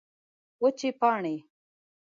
وچې پاڼې